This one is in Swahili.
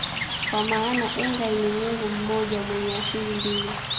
kwa maana Engai ni mungu mmoja mwenye asili mbili